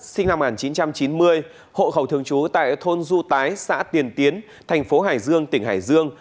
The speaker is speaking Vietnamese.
sinh năm một nghìn chín trăm chín mươi hộ khẩu thường trú tại thôn du tái xã tiền tiến thành phố hải dương tỉnh hải dương